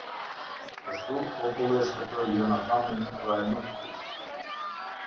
Kështu populli e shpëtoi Jonathanin dhe ai nuk vdiq.